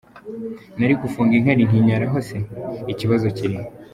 Nari gufunga inkari nkinyaraho se ? Ikibazo kirihe ?”.